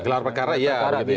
gelar perkara iya